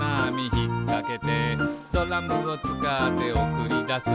ひっかけて」「ドラムをつかっておくりだす」